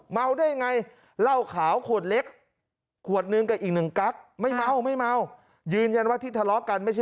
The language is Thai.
เมาได้ไงเล่าขาวขวดเล็กขวดนึงแต่อีก๑กั๊กไม่เพราะไม่เมายื่นยันว่าที่ทะเลาะกันไม่ใช่